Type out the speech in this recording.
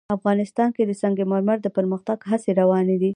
افغانستان کې د سنگ مرمر د پرمختګ هڅې روانې دي.